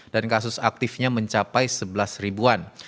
dan kasus aktifnya mencapai sebelas ribuan